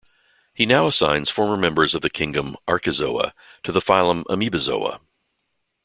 He now assigns former members of the kingdom Archezoa to the phylum Amoebozoa.